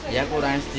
ya kurang sedikit